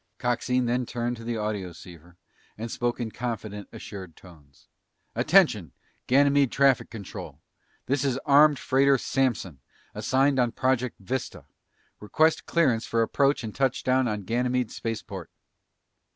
Coxine then turned to the audioceiver and spoke in confident, assured tones. "Attention, Ganymede traffic control! This is armed freighter Samson, assigned on project Vista. Request clearance for approach and touchdown on Ganymede spaceport!"